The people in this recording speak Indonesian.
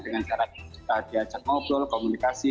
dengan cara kita diajak ngobrol komunikasi